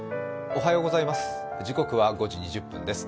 おはようございます。